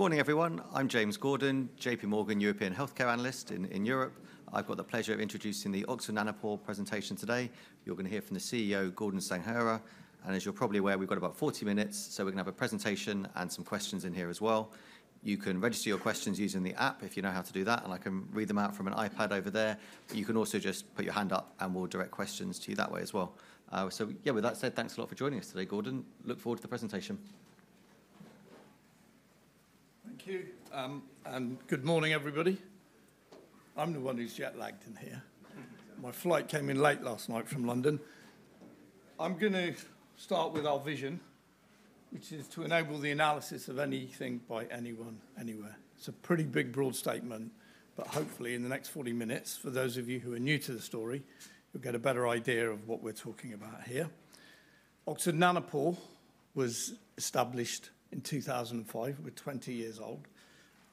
Good morning, everyone. I'm James Gordon, J.P. Morgan European Healthcare Analyst in Europe. I've got the pleasure of introducing the Oxford Nanopore presentation today. You're going to hear from the CEO, Gordon Sanghera, and as you're probably aware, we've got about 40 minutes, so we're going to have a presentation and some questions in here as well. You can register your questions using the app if you know how to do that, and I can read them out from an iPad over there. You can also just put your hand up, and we'll direct questions to you that way as well, so yeah, with that said, thanks a lot for joining us today, Gordon. Look forward to the presentation. Thank you and good morning, everybody. I'm the one who's jet-lagged in here. My flight came in late last night from London. I'm going to start with our vision, which is to enable the analysis of anything by anyone, anywhere. It's a pretty big, broad statement, but hopefully, in the next 40 minutes, for those of you who are new to the story, you'll get a better idea of what we're talking about here. Oxford Nanopore was established in 2005. We're 20 years old.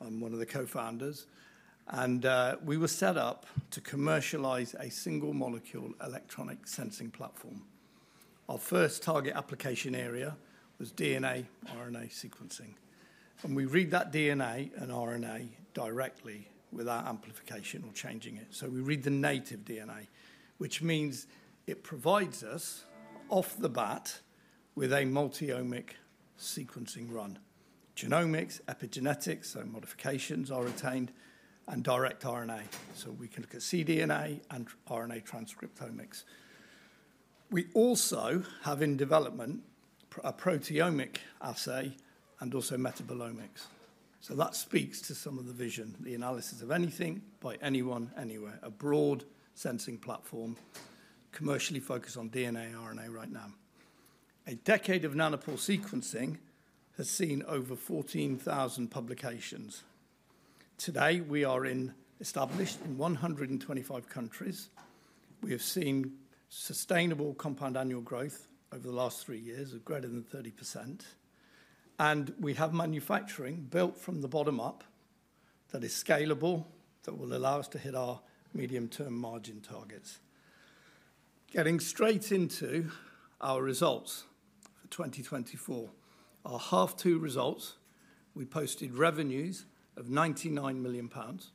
I'm one of the co-founders, and we were set up to commercialize a single molecule electronic sensing platform. Our first target application area was DNA/RNA sequencing, and we read that DNA and RNA directly without amplification or changing it. So we read the native DNA, which means it provides us, off the bat, with a multi-omic sequencing run: genomics, epigenetics, so modifications are retained, and direct RNA. So we can look at cDNA and RNA transcriptomics. We also have in development a proteomic assay and also metabolomics. So that speaks to some of the vision: the analysis of anything by anyone, anywhere, a broad sensing platform, commercially focused on DNA/RNA right now. A decade of Nanopore sequencing has seen over 14,000 publications. Today, we are established in 125 countries. We have seen sustainable compound annual growth over the last three years of greater than 30%. And we have manufacturing built from the bottom up that is scalable, that will allow us to hit our medium-term margin targets. Getting straight into our results for 2024, our half-year results, we posted revenues of 99 million pounds.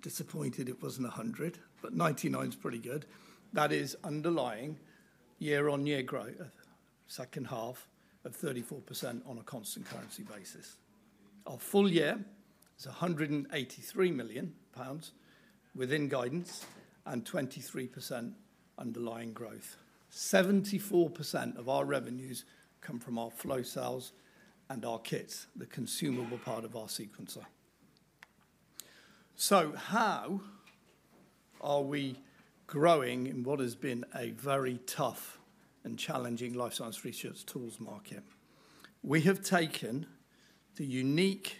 Disappointed it wasn't 100, but 99 is pretty good. That is underlying year-on-year growth, second half, of 34% on a constant currency basis. Our full year is 183 million pounds within guidance and 23% underlying growth. 74% of our revenues come from our flow cells and our kits, the consumable part of our sequencer. So how are we growing in what has been a very tough and challenging life science research tools market? We have taken the unique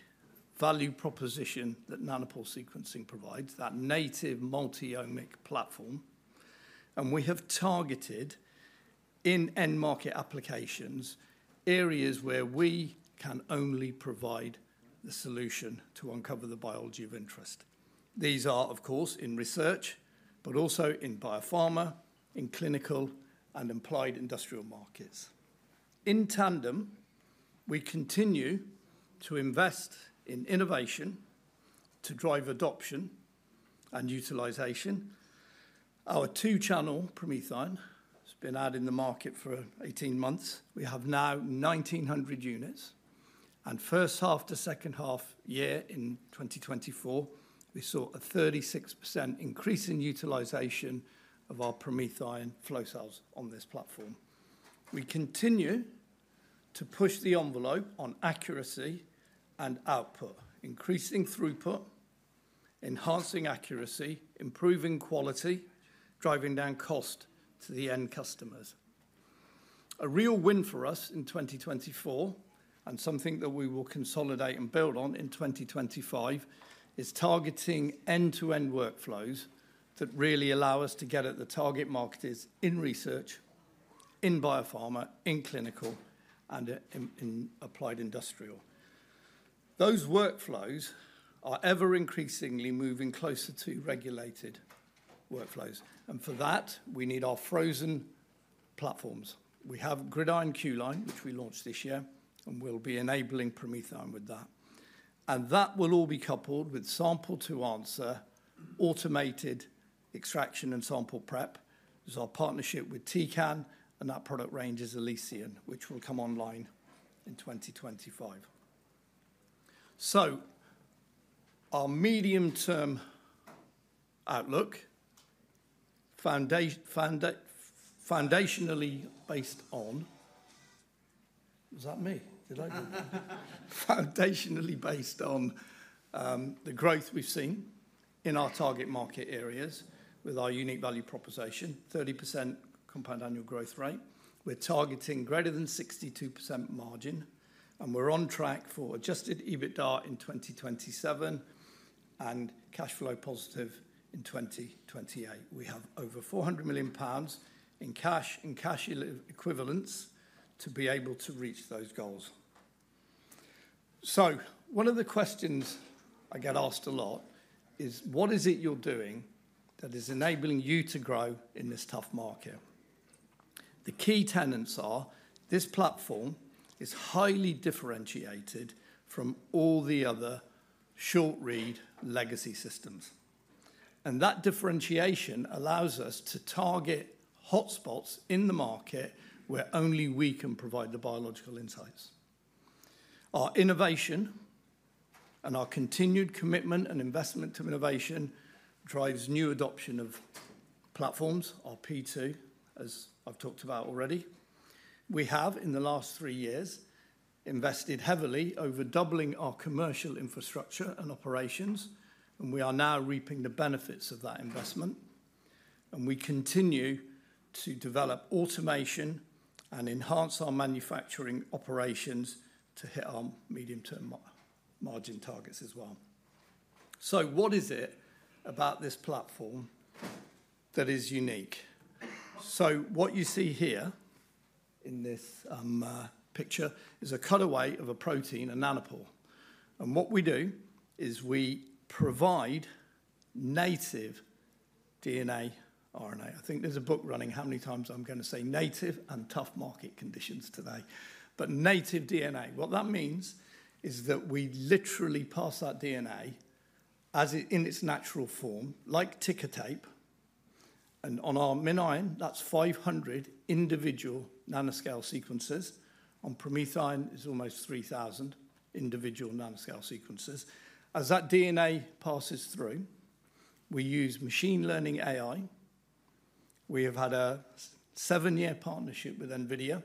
value proposition that Nanopore sequencing provides, that native multi-omic platform, and we have targeted in end-market applications areas where we can only provide the solution to uncover the biology of interest. These are, of course, in research, but also in biopharma, in clinical, and applied industrial markets. In tandem, we continue to invest in innovation to drive adoption and utilization. Our two-channel PromethION has been out in the market for 18 months. We have now 1,900 units. From first half to second half of the year in 2024, we saw a 36% increase in utilization of our PromethION flow cells on this platform. We continue to push the envelope on accuracy and output, increasing throughput, enhancing accuracy, improving quality, driving down cost to the end customers. A real win for us in 2024, and something that we will consolidate and build on in 2025, is targeting end-to-end workflows that really allow us to get at the target markets in research, in biopharma, in clinical, and in applied industrial. Those workflows are ever increasingly moving closer to regulated workflows. For that, we need our Q-Line platforms. We have GridION Q-Line, which we launched this year, and we'll be enabling PromethION with that. That will all be coupled with sample-to-answer automated extraction and sample prep. There's our partnership with Tecan, and that product range is ElysION, which will come online in 2025. So our medium-term outlook, foundationally based on... Was that me? Did I do that? Foundationally based on the growth we've seen in our target market areas with our unique value proposition, 30% compound annual growth rate. We're targeting greater than 62% margin, and we're on track for adjusted EBITDA in 2027 and cash flow positive in 2028. We have over £400 million in cash equivalents to be able to reach those goals. So one of the questions I get asked a lot is, what is it you're doing that is enabling you to grow in this tough market? The key tenets are this platform is highly differentiated from all the other short-read legacy systems. And that differentiation allows us to target hotspots in the market where only we can provide the biological insights. Our innovation and our continued commitment and investment to innovation drives new adoption of platforms, our P2, as I've talked about already. We have, in the last three years, invested heavily over doubling our commercial infrastructure and operations, and we are now reaping the benefits of that investment. And we continue to develop automation and enhance our manufacturing operations to hit our medium-term margin targets as well. So what is it about this platform that is unique? So what you see here in this picture is a cutaway of a protein, a nanopore. And what we do is we provide native DNA/RNA. I think there's a book running how many times I'm going to say native and tough market conditions today. But native DNA, what that means is that we literally pass that DNA in its natural form, like ticker tape. And on our MinION, that's 500 individual nanoscale sequences. On PromethION, it's almost 3,000 individual nanopore sequences. As that DNA passes through, we use machine learning AI. We have had a seven-year partnership with NVIDIA,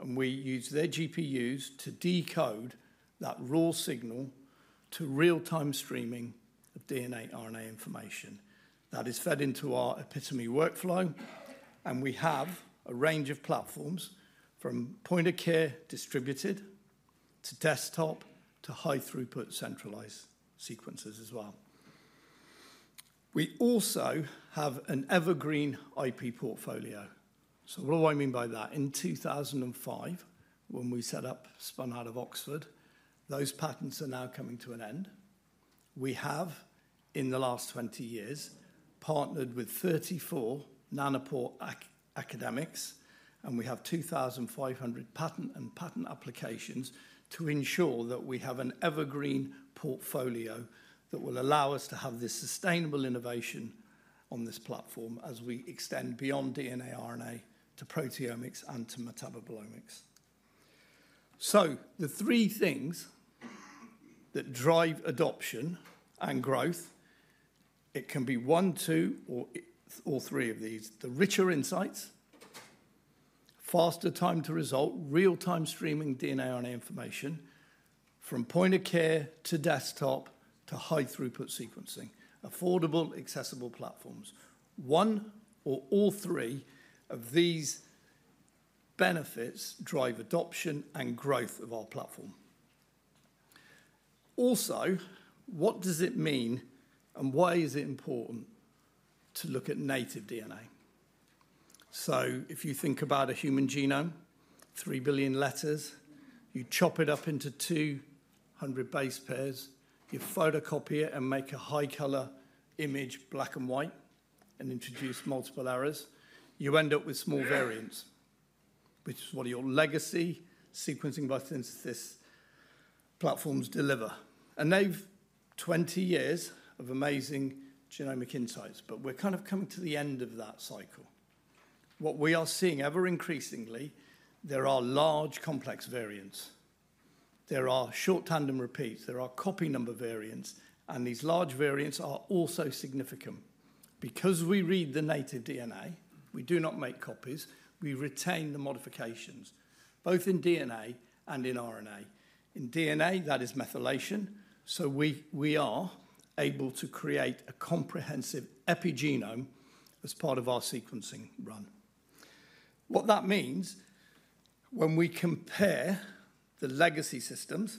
and we use their GPUs to decode that raw signal to real-time streaming of DNA/RNA information. That is fed into our EPI2ME workflow, and we have a range of platforms from point-of-care distributed to desktop to high-throughput centralized sequences as well. We also have an evergreen IP portfolio. So what do I mean by that? In 2005, when we set up spun out of Oxford, those patents are now coming to an end. We have, in the last 20 years, partnered with 34 nanopore academics, and we have 2,500 patents and patent applications to ensure that we have an evergreen portfolio that will allow us to have this sustainable innovation on this platform as we extend beyond DNA/RNA to proteomics and to metabolomics. The three things that drive adoption and growth, it can be one, two, or three of these: the richer insights, faster time to result, real-time streaming DNA/RNA information from point-of-care to desktop to high-throughput sequencing, affordable, accessible platforms. One or all three of these benefits drive adoption and growth of our platform. Also, what does it mean, and why is it important to look at native DNA? So if you think about a human genome, three billion letters, you chop it up into 200 base pairs, you photocopy it and make a high-color image, black and white, and introduce multiple errors, you end up with small variants, which is what your legacy sequencing by synthesis platforms deliver. And they've 20 years of amazing genomic insights, but we're kind of coming to the end of that cycle. What we are seeing ever increasingly, there are large complex variants. There are short tandem repeats. There are copy number variants, and these large variants are also significant. Because we read the native DNA, we do not make copies. We retain the modifications, both in DNA and in RNA. In DNA, that is methylation, so we are able to create a comprehensive epigenome as part of our sequencing run. What that means, when we compare the legacy systems,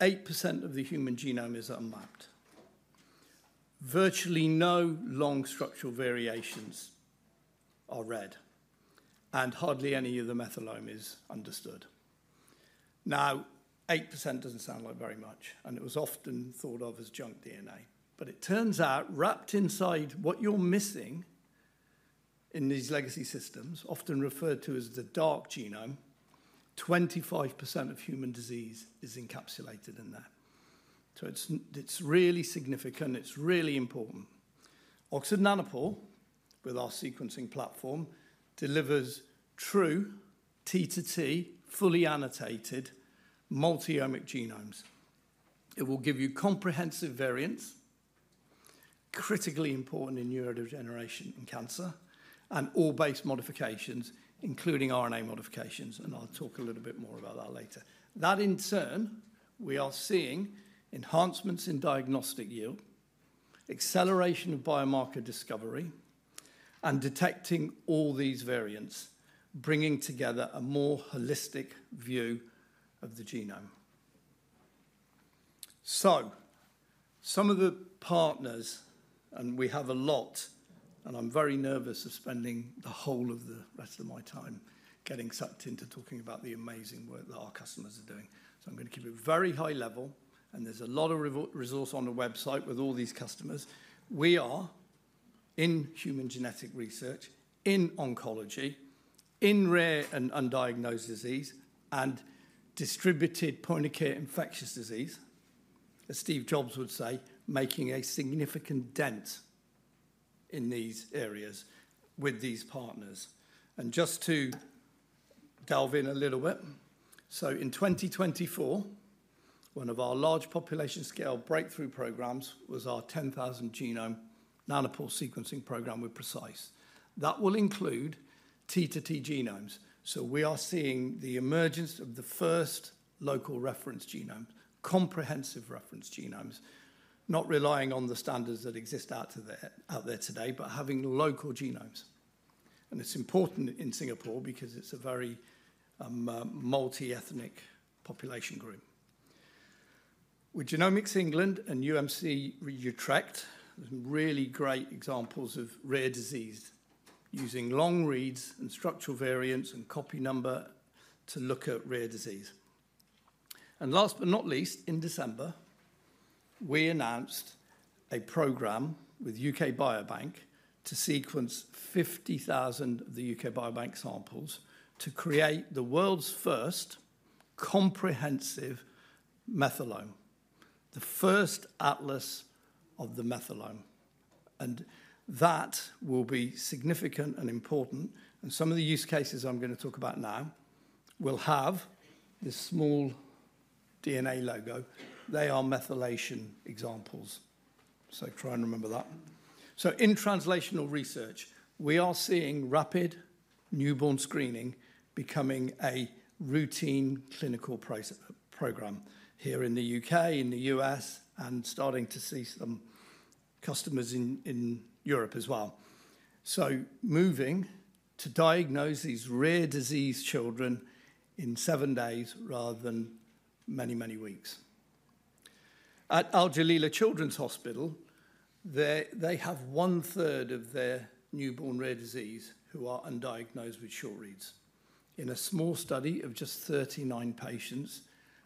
8% of the human genome is unmapped. Virtually no long structural variations are read, and hardly any of the methylome is understood. Now, 8% doesn't sound like very much, and it was often thought of as junk DNA, but it turns out, wrapped inside what you're missing in these legacy systems, often referred to as the dark genome, 25% of human disease is encapsulated in that, so it's really significant. It's really important. Oxford Nanopore, with our sequencing platform, delivers true T2T, fully annotated, multi-omic genomes. It will give you comprehensive variants, critically important in neurodegeneration and cancer, and all base modifications, including RNA modifications. And I'll talk a little bit more about that later. That, in turn, we are seeing enhancements in diagnostic yield, acceleration of biomarker discovery, and detecting all these variants, bringing together a more holistic view of the genome. So some of the partners, and we have a lot, and I'm very nervous of spending the whole of the rest of my time getting sucked into talking about the amazing work that our customers are doing. So I'm going to keep it very high level, and there's a lot of resource on the website with all these customers. We are in human genetic research, in oncology, in rare and undiagnosed disease, and distributed point-of-care infectious disease, as Steve Jobs would say, making a significant dent in these areas with these partners. And just to delve in a little bit, so in 2024, one of our large population-scale breakthrough programs was our 10,000 genome Nanopore sequencing program with PRECISE. That will include T2T genomes. So we are seeing the emergence of the first local reference genomes, comprehensive reference genomes, not relying on the standards that exist out there today, but having local genomes. And it's important in Singapore because it's a very multi-ethnic population group. With Genomics England and UMC Utrecht, there's some really great examples of rare disease using long reads and structural variants and copy number to look at rare disease. And last but not least, in December, we announced a program with UK Biobank to sequence 50,000 of the UK Biobank samples to create the world's first comprehensive methylome, the first atlas of the methylome. And that will be significant and important. And some of the use cases I'm going to talk about now will have this small DNA logo. They are methylation examples. So try and remember that. So in translational research, we are seeing rapid newborn screening becoming a routine clinical program here in the UK, in the US, and starting to see some customers in Europe as well. So moving to diagnose these rare disease children in seven days rather than many, many weeks. At Al Jalila Children's Hospital, they have one-third of their newborn rare disease who are undiagnosed with short reads. In a small study of just 39 patients,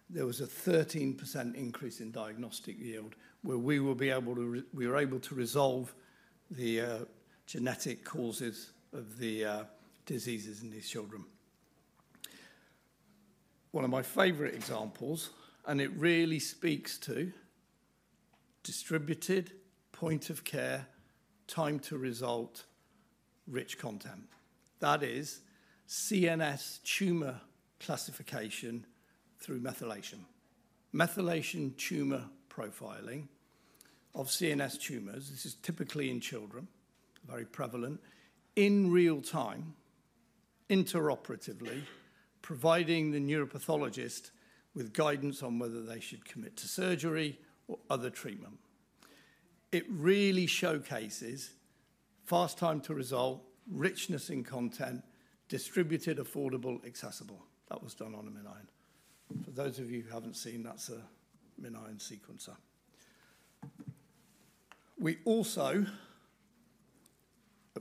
there was a 13% increase in diagnostic yield where we were able to resolve the genetic causes of the diseases in these children. One of my favorite examples, and it really speaks to distributed point-of-care time-to-result rich content. That is CNS tumor classification through methylation. Methylation tumor profiling of CNS tumors, this is typically in children, very prevalent, in real time, intraoperatively, providing the neuropathologist with guidance on whether they should commit to surgery or other treatment. It really showcases fast time-to-result, richness in content, distributed, affordable, accessible. That was done on a MinION. For those of you who haven't seen, that's a MinION sequencer.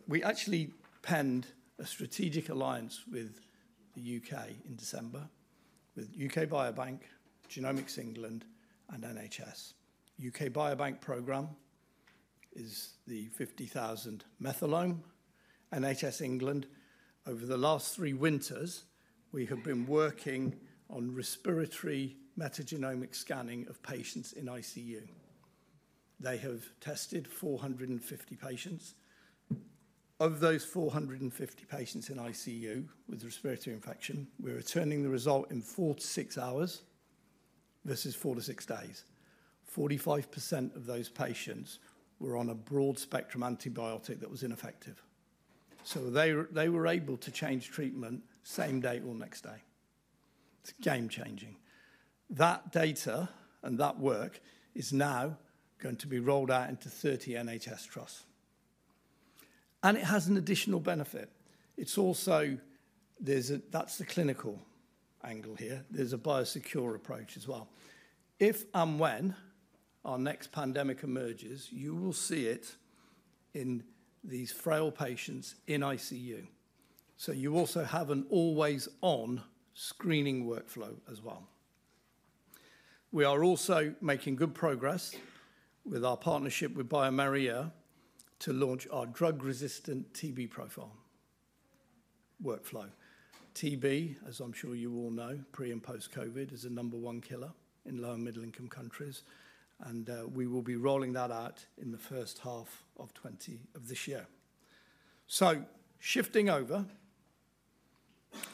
We actually penned a strategic alliance with the UK in December with UK Biobank, Genomics England, and NHS. UK Biobank program is the 50,000 methylome. NHS England, over the last three winters, we have been working on respiratory metagenomic sequencing of patients in ICU. They have tested 450 patients. Of those 450 patients in ICU with respiratory infection, we're returning the result in four to six hours versus four to six days. 45% of those patients were on a broad-spectrum antibiotic that was ineffective. So they were able to change treatment same day or next day. It's game-changing. That data and that work is now going to be rolled out into 30 NHS trusts. And it has an additional benefit. It's also. That's the clinical angle here. There's a biosecure approach as well. If and when our next pandemic emerges, you will see it in these frail patients in ICU. So you also have an always-on screening workflow as well. We are also making good progress with our partnership with bioMérieux to launch our drug-resistant TB profile workflow. TB, as I'm sure you all know, pre- and post-COVID, is a number one killer in low- and middle-income countries. We will be rolling that out in the first half of 2024. Shifting over,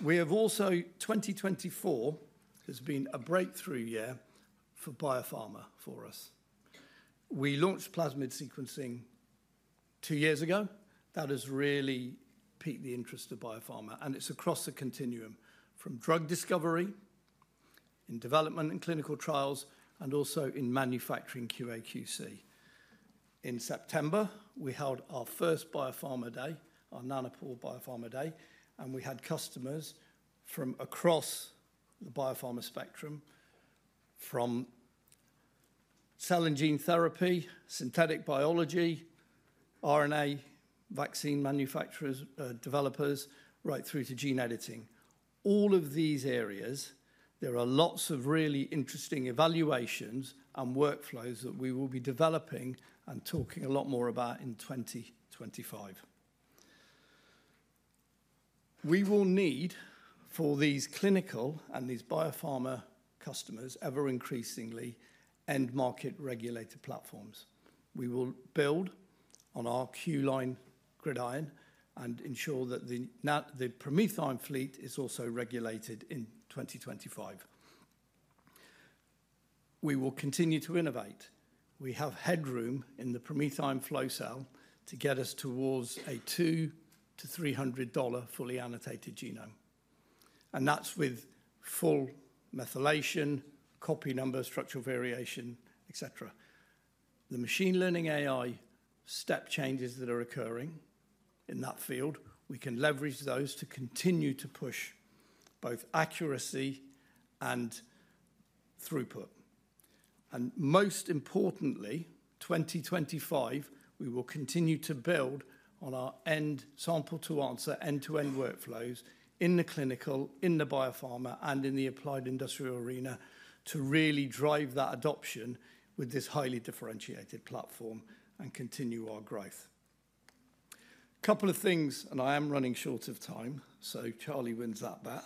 2024 has also been a breakthrough year for biopharma for us. We launched plasmid sequencing two years ago. That has really piqued the interest of biopharma. It's across the continuum from drug discovery and development and clinical trials and also in manufacturing QA/QC. In September, we held our first biopharma day, our Nanopore Biopharma Day, and we had customers from across the biopharma spectrum, from cell and gene therapy, synthetic biology, RNA vaccine manufacturers, developers, right through to gene editing. All of these areas, there are lots of really interesting evaluations and workflows that we will be developing and talking a lot more about in 2025. We will need for these clinical and these biopharma customers ever-increasingly end-market regulated platforms. We will build on our Q-Line GridION and ensure that the PromethION fleet is also regulated in 2025. We will continue to innovate. We have headroom in the PromethION flow cell to get us towards a $200-$300 fully annotated genome, and that's with full methylation, copy number, structural variation, etc. The machine learning AI step changes that are occurring in that field, we can leverage those to continue to push both accuracy and throughput. Most importantly, 2025, we will continue to build on our end-to-end sample-to-answer, end-to-end workflows in the clinical, in the biopharma, and in the applied industrial arena to really drive that adoption with this highly differentiated platform and continue our growth. Couple of things, and I am running short of time, so Charles wins that bet.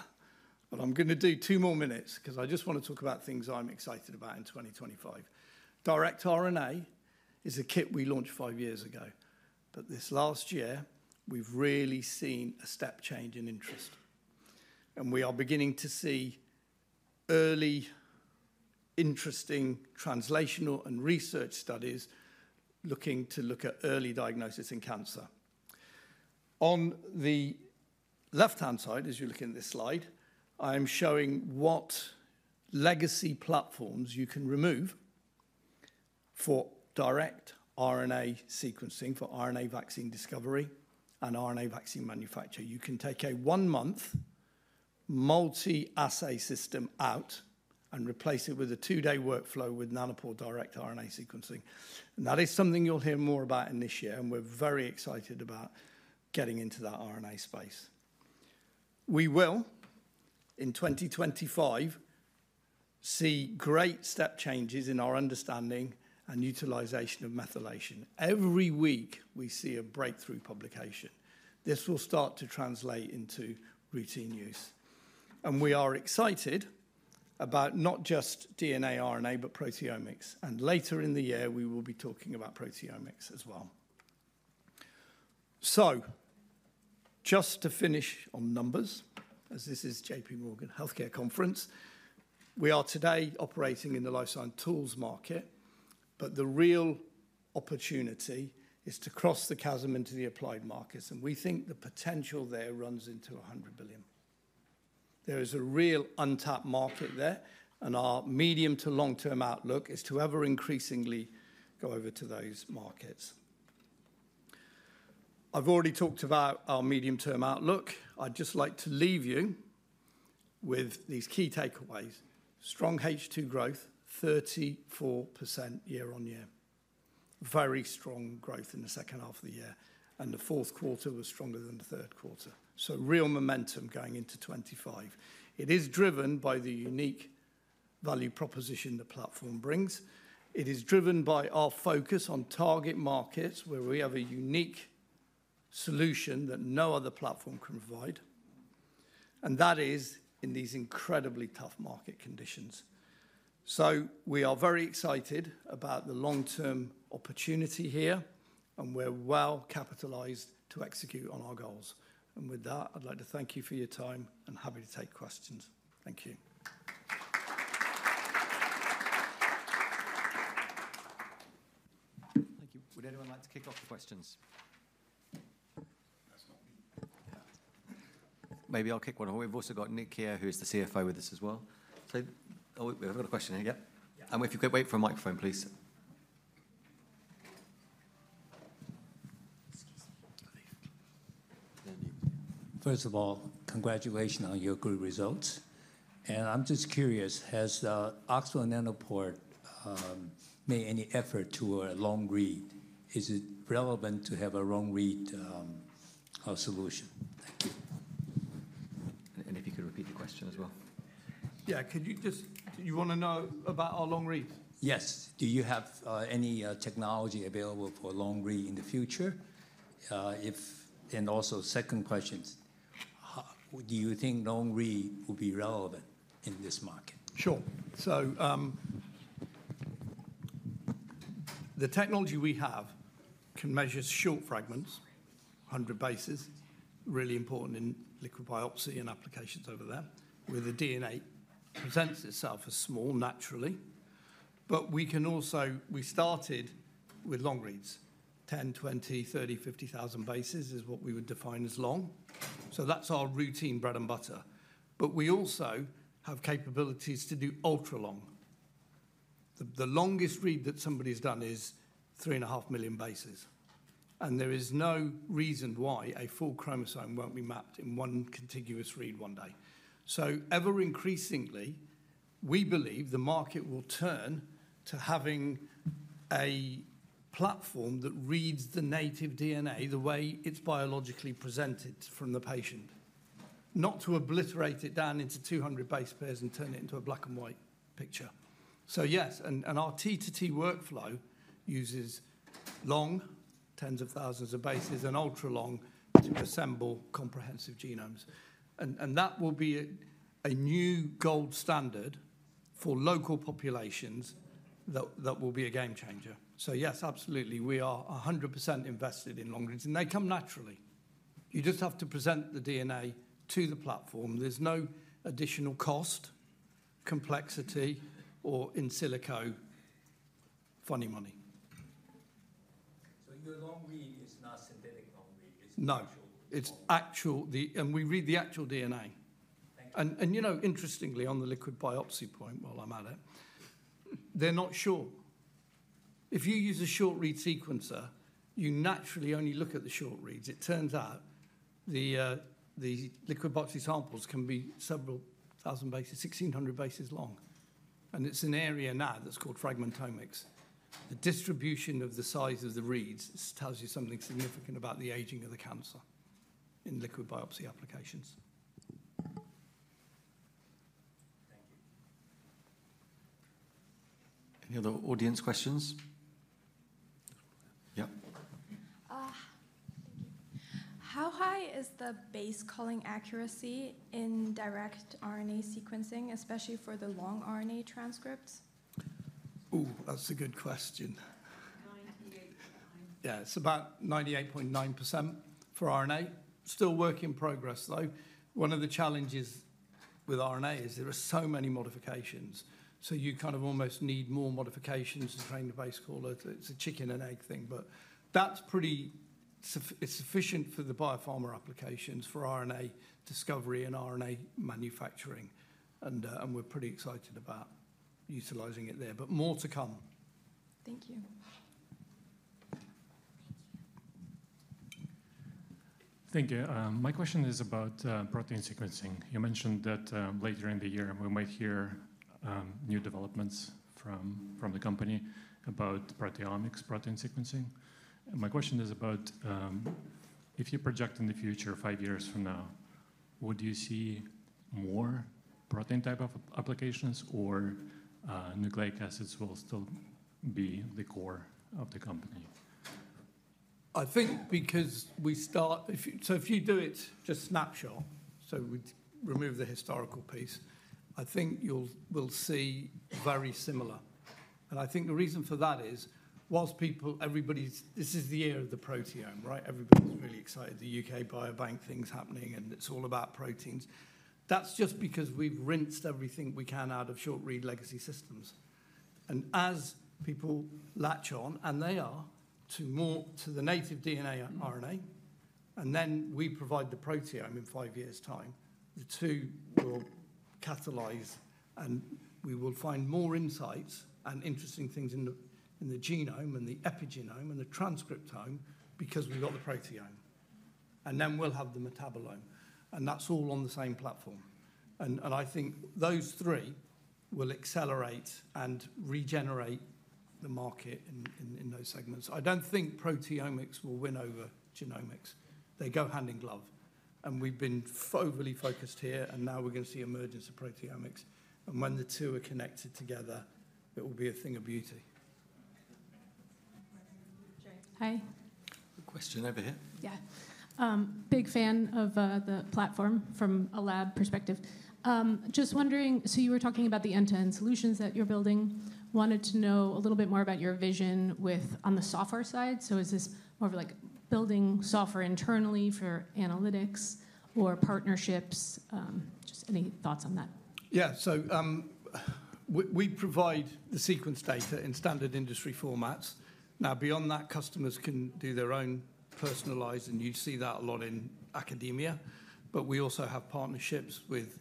But I'm going to do two more minutes because I just want to talk about things I'm excited about in 2025. Direct RNA is a kit we launched five years ago. But this last year, we've really seen a step change in interest. And we are beginning to see early interesting translational and research studies looking to look at early diagnosis in cancer. On the left-hand side, as you're looking at this slide, I am showing what legacy platforms you can remove for direct RNA sequencing, for RNA vaccine discovery and RNA vaccine manufacture. You can take a one-month multi-assay system out and replace it with a two-day workflow with Nanopore Direct RNA sequencing, and that is something you'll hear more about in this year, and we're very excited about getting into that RNA space. We will, in 2025, see great step changes in our understanding and utilization of methylation. Every week, we see a breakthrough publication. This will start to translate into routine use, and we are excited about not just DNA, RNA, but proteomics, and later in the year, we will be talking about proteomics as well, so just to finish on numbers, as this is J.P. Morgan Healthcare Conference, we are today operating in the life science tools market, but the real opportunity is to cross the chasm into the applied markets, and we think the potential there runs into 100 billion. There is a real untapped market there, and our medium to long-term outlook is to ever-increasingly go over to those markets. I've already talked about our medium-term outlook. I'd just like to leave you with these key takeaways. Strong H2 growth, 34% year on year. Very strong growth in the second half of the year, and the fourth quarter was stronger than the third quarter, so real momentum going into 2025. It is driven by the unique value proposition the platform brings. It is driven by our focus on target markets where we have a unique solution that no other platform can provide, and that is in these incredibly tough market conditions, so we are very excited about the long-term opportunity here, and we're well capitalized to execute on our goals, and with that, I'd like to thank you for your time and happy to take questions. Thank you. Thank you. Would anyone like to kick off the questions? Maybe I'll kick one off. We've also got Nick here, who is the CFO with us as well. So I've got a question here. Yeah? And if you could wait for a microphone, please. Excuse me. First of all, congratulations on your good results. I'm just curious, has Oxford Nanopore made any effort to a long read? Is it relevant to have a long read solution? Thank you. And if you could repeat the question as well. Yeah, could you just, you want to know about our long read? Yes. Do you have any technology available for long read in the future? And also, second question, do you think long read will be relevant in this market? Sure. So the technology we have can measure short fragments, 100 bases, really important in liquid biopsy and applications over there, where the DNA presents itself as small naturally. But we can also, we started with long reads, 10, 20, 30, 50,000 bases is what we would define as long. So that's our routine bread and butter. But we also have capabilities to do ultra-long. The longest read that somebody has done is three and a half million bases. And there is no reason why a full chromosome won't be mapped in one contiguous read one day. So ever-increasingly, we believe the market will turn to having a platform that reads the native DNA the way it's biologically presented from the patient, not to obliterate it down into 200 base pairs and turn it into a black and white picture. So yes, and our T2T workflow uses long, tens of thousands of bases, and ultra-long to assemble comprehensive genomes. And that will be a new gold standard for local populations that will be a game changer. So yes, absolutely, we are 100% invested in long reads. And they come naturally. You just have to present the DNA to the platform. There's no additional cost, complexity, or in silico funny money. So your long read is not synthetic long read? It's actual? It's actual, and we read the actual DNA. And you know, interestingly, on the liquid biopsy point, while I'm at it, they're not short. If you use a short read sequencer, you naturally only look at the short reads. It turns out the liquid biopsy samples can be several thousand bases, 1,600 bases long. And it's an area now that's called fragmentomics. The distribution of the size of the reads tells you something significant about the aging of the cancer in liquid biopsy applications. Thank you. Any other audience questions? Yep. How high is the base calling accuracy in direct RNA sequencing, especially for the long RNA transcripts? Ooh, that's a good question. 98.9%. Yeah, it's about 98.9% for RNA. Still work in progress, though. One of the challenges with RNA is there are so many modifications. So you kind of almost need more modifications to train the base caller. It's a chicken and egg thing. But that's pretty, it's sufficient for the biopharma applications for RNA discovery and RNA manufacturing. And we're pretty excited about utilizing it there. But more to come. Thank you. Thank you. My question is about protein sequencing. You mentioned that later in the year, we might hear new developments from the company about proteomics, protein sequencing. My question is about if you project in the future, five years from now, would you see more protein type of applications or nucleic acids will still be the core of the company? I think because we start, so if you do it just snapshot, so we remove the historical piece, I think you'll see very similar. And I think the reason for that is, whilst people, everybody, this is the year of the proteome, right? Everybody's really excited. The UK Biobank thing's happening, and it's all about proteins. That's just because we've rinsed everything we can out of short read legacy systems. As people latch on, and they are to more to the native DNA RNA, and then we provide the proteome in five years' time, the two will catalyze and we will find more insights and interesting things in the genome and the epigenome and the transcriptome because we've got the proteome. And then we'll have the metabolome. And that's all on the same platform. And I think those three will accelerate and regenerate the market in those segments. I don't think proteomics will win over genomics. They go hand in glove. And we've been overly focused here, and now we're going to see emergence of proteomics. And when the two are connected together, it will be a thing of beauty. Hi. Question over here. Yeah. Big fan of the platform from a lab perspective. Just wondering, so you were talking about the end-to-end solutions that you're building. Wanted to know a little bit more about your vision with on the software side. So is this more of like building software internally for analytics or partnerships? Just any thoughts on that? Yeah. So we provide the sequence data in standard industry formats. Now, beyond that, customers can do their own personalized, and you see that a lot in academia. But we also have partnerships with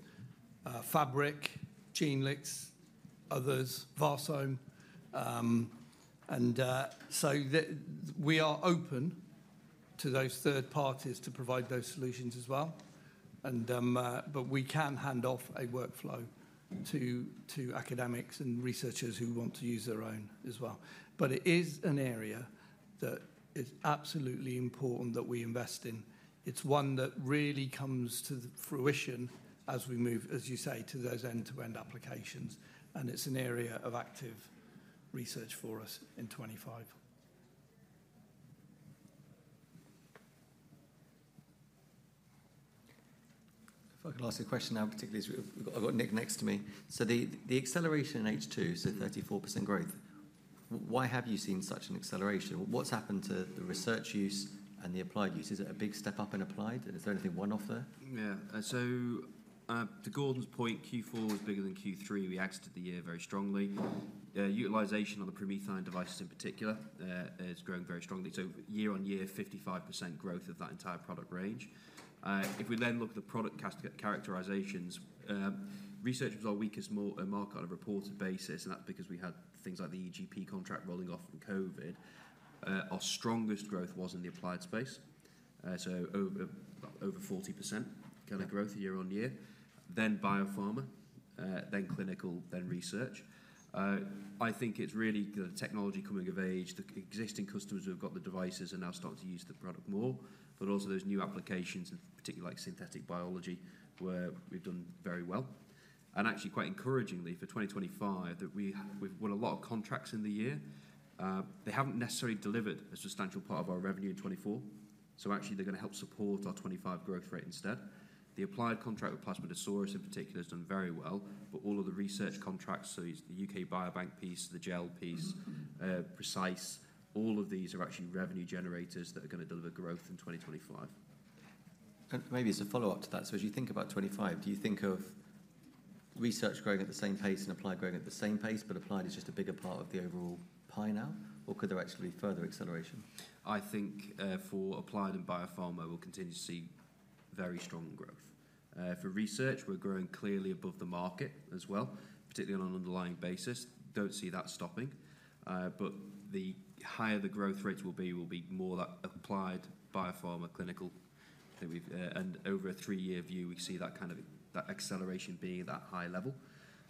Fabric, Geneyx, others, VarSome. And so we are open to those third parties to provide those solutions as well. And but we can hand off a workflow to academics and researchers who want to use their own as well. But it is an area that is absolutely important that we invest in. It's one that really comes to fruition as we move, as you say, to those end-to-end applications. And it's an area of active research for us in 2025. If I could ask a question now, particularly as I've got Nick next to me. So the acceleration in H2, so 34% growth, why have you seen such an acceleration? What's happened to the research use and the applied use? Is it a big step up in applied? Is there anything one-off there? Yeah. So to Gordon's point, Q4 is bigger than Q3. We exited the year very strongly. Utilization of the PromethION devices in particular is growing very strongly. So year on year, 55% growth of that entire product range. If we then look at the product categorizations, research was our weakest market on a reported basis, and that's because we had things like the EGP contract rolling off in COVID. Our strongest growth was in the applied space, so over 40% kind of growth year on year. Then biopharma, then clinical, then research. I think it's really the technology coming of age. The existing customers who have got the devices are now starting to use the product more, but also those new applications, particularly like synthetic biology, where we've done very well, and actually, quite encouragingly for 2025, that we've won a lot of contracts in the year. They haven't necessarily delivered a substantial part of our revenue in 2024, so actually, they're going to help support our 2025 growth rate instead. The applied contract with Plasmidsaurus in particular has done very well, but all of the research contracts, so the UK Biobank piece, the GEL piece, PRECISE, all of these are actually revenue generators that are going to deliver growth in 2025. Maybe as a follow-up to that, so as you think about 2025, do you think of research growing at the same pace and applied growing at the same pace, but applied is just a bigger part of the overall pie now? Or could there actually be further acceleration? I think for applied and biopharma, we'll continue to see very strong growth. For research, we're growing clearly above the market as well, particularly on an underlying basis. Don't see that stopping. But the higher the growth rates will be, will be more that applied biopharma clinical. And over a three-year view, we see that kind of acceleration being at that high level.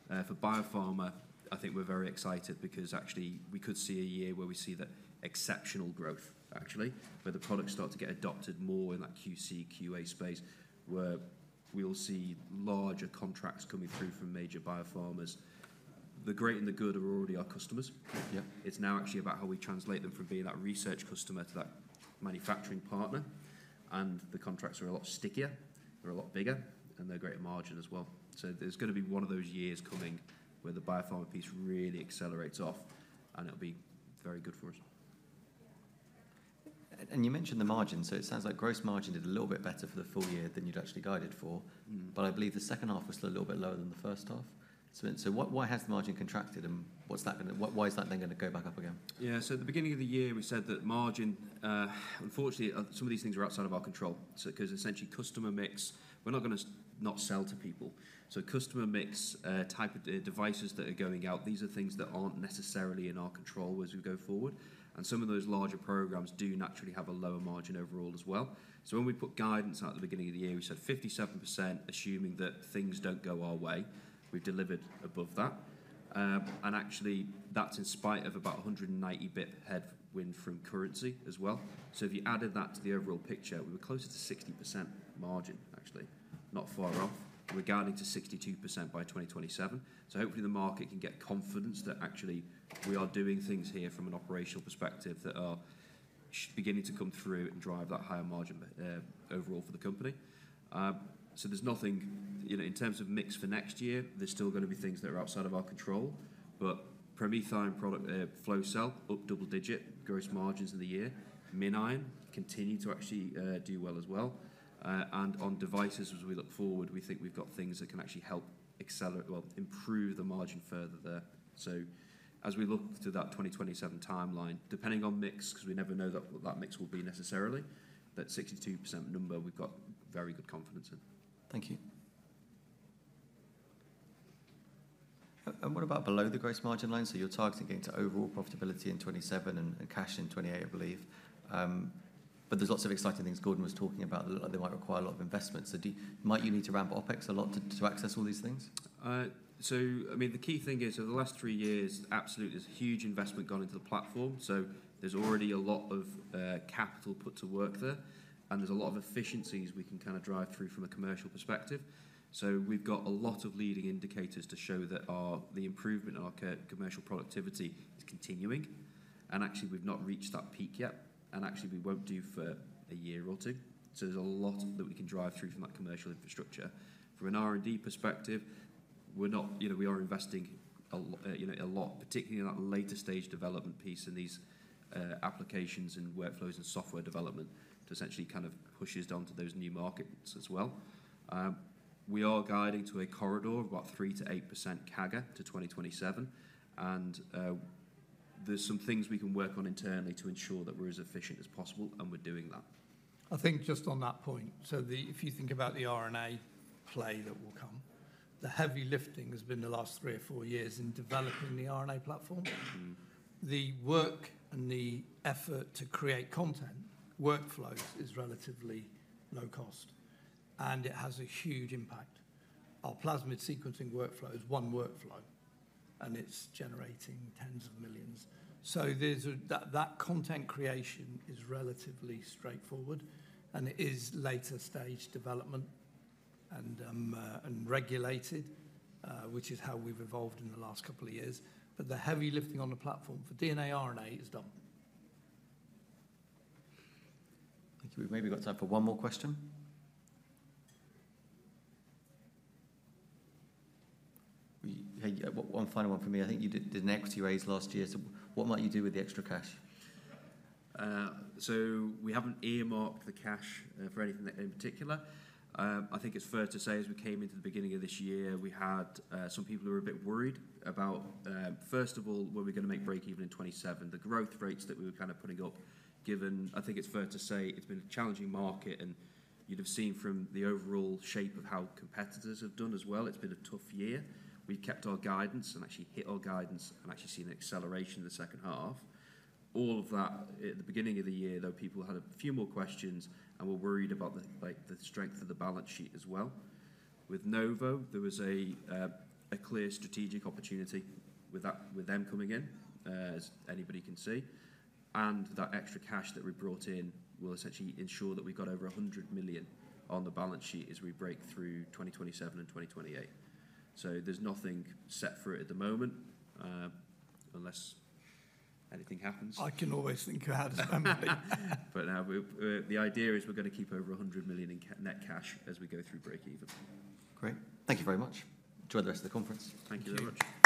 For biopharma, I think we're very excited because actually we could see a year where we see that exceptional growth, actually, where the products start to get adopted more in that QC, QA space, where we'll see larger contracts coming through from major biopharmas. The great and the good are already our customers. It's now actually about how we translate them from being that research customer to that manufacturing partner. And the contracts are a lot stickier. They're a lot bigger, and they're great at margin as well. So there's going to be one of those years coming where the biopharma piece really accelerates off, and it'll be very good for us. And you mentioned the margin. So it sounds like gross margin did a little bit better for the full year than you'd actually guided for. But I believe the second half was still a little bit lower than the first half. So why has the margin contracted? And why is that then going to go back up again? Yeah. So at the beginning of the year, we said that margin. Unfortunately, some of these things are outside of our control. Because essentially, customer mix, we're not going to not sell to people. So customer mix type of devices that are going out, these are things that aren't necessarily in our control as we go forward. And some of those larger programs do naturally have a lower margin overall as well. So when we put guidance at the beginning of the year, we said 57%, assuming that things don't go our way. We've delivered above that. And actually, that's in spite of about 190 basis point headwind from currency as well. So if you added that to the overall picture, we were closer to 60% margin, actually, not far off, regarding to 62% by 2027. So hopefully the market can get confidence that actually we are doing things here from an operational perspective that are beginning to come through and drive that higher margin overall for the company. So there's nothing, in terms of mix for next year, there's still going to be things that are outside of our control. But PromethION product flow cell up double-digit gross margins in the year. MinION continued to actually do well as well, and on devices, as we look forward, we think we've got things that can actually help accelerate, well, improve the margin further there. So as we look to that 2027 timeline, depending on mix, because we never know that mix will be necessarily, that 62% number we've got very good confidence in. Thank you. And what about below the gross margin line? So you're targeting getting to overall profitability in 2027 and cash in 2028, I believe. But there's lots of exciting things Gordon was talking about that might require a lot of investment. So might you need to ramp OpEx a lot to access all these things? So I mean, the key thing is, over the last three years, absolutely, there's huge investment gone into the platform. So there's already a lot of capital put to work there. And there's a lot of efficiencies we can kind of drive through from a commercial perspective. We've got a lot of leading indicators to show that the improvement in our commercial productivity is continuing. And actually, we've not reached that peak yet. And actually, we won't do for a year or two. So there's a lot that we can drive through from that commercial infrastructure. From an R&D perspective, we are investing a lot, particularly in that later stage development piece and these applications and workflows and software development to essentially kind of push us down to those new markets as well. We are guiding to a corridor of about 3%-8% CAGR to 2027. And there's some things we can work on internally to ensure that we're as efficient as possible. And we're doing that. I think just on that point. So if you think about the R&D play that will come, the heavy lifting has been the last three or four years in developing the R&D platform. The work and the effort to create content, workflows is relatively low cost, and it has a huge impact. Our plasmid sequencing workflow is one workflow, and it's generating tens of millions. So that content creation is relatively straightforward, and it is later stage development and regulated, which is how we've evolved in the last couple of years. But the heavy lifting on the platform for DNA RNA is done. Thank you. We've maybe got time for one more question. One final one from me. I think you did an equity raise last year. So what might you do with the extra cash? So we haven't earmarked the cash for anything in particular. I think it's fair to say as we came into the beginning of this year, we had some people who were a bit worried about, first of all, where we're going to make break even in 2027. The growth rates that we were kind of putting up, given, I think it's fair to say it's been a challenging market, and you'd have seen from the overall shape of how competitors have done as well, it's been a tough year. We've kept our guidance and actually hit our guidance and actually seen an acceleration in the second half. All of that, at the beginning of the year, though, people had a few more questions and were worried about the strength of the balance sheet as well. With Novo, there was a clear strategic opportunity with them coming in, as anybody can see. And that extra cash that we brought in will essentially ensure that we've got over £100 million on the balance sheet as we break through 2027 and 2028. So there's nothing set for it at the moment unless anything happens. I can always think of how to spend money. But now the idea is we're going to keep over £100 million in net cash as we go through break even. Great. Thank you very much. Enjoy the rest of the conference. Thank you very much.